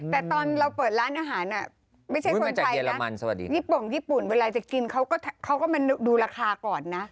แต่ตอนเราเปิดร้านอาหารไม่ใช่คนไทยญี่ปงญี่ปุ่นเวลาจะกินเขาก็มาดูราคาก่อนนะ